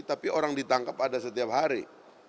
tapi orang ditangkap ada setiap hari